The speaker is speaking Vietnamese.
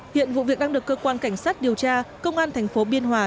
hiện vụ việc đang được cơ quan cảnh sát điều tra công an thành phố biên hòa